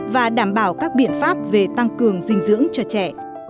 và đảm bảo các biện pháp về tăng cường dinh dưỡng cho trẻ